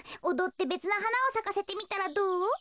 おどってべつなはなをさかせてみたらどう？